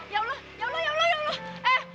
ya allah ya allah ya allah ya allah